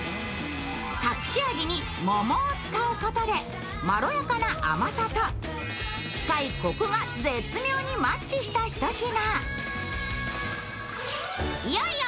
隠し味に桃を使うことで、まろやかな甘さと深いこくが絶妙にマッチしたひと品。